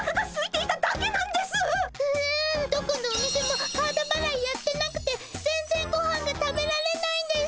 どこのお店もカードばらいやってなくて全然ごはんが食べられないんです。